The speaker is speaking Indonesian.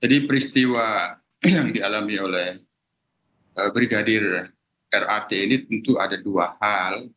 jadi peristiwa yang dialami oleh brigadir rrt ini tentu ada dua hal